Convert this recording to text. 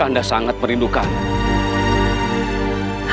kanda sangat merindukanmu